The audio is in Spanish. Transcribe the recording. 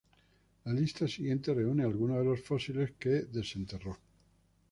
La lista siguiente reúne algunos de los fósiles que desenterró.